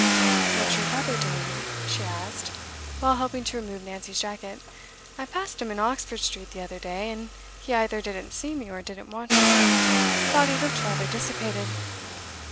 'What's your brother doing?' she asked, while helping to remove Nancy's jacket. 'I passed him in Oxford Street the other day, and he either didn't see me, or didn't want to. Thought he looked rather dissipated.